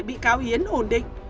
bị cáo yến ổn định